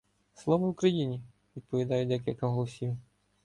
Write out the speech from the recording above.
— Слава Україні! — відповідають декілька голосів.